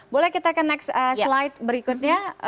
boleh kita ke next slide berikutnya